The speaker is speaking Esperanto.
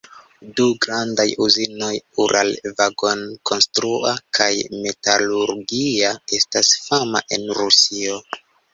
Du grandaj uzinoj—Uralvagonkonstrua kaj Metalurgia estas famaj en Rusio.